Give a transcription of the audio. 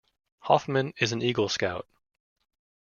Hoffman is an Eagle Scout.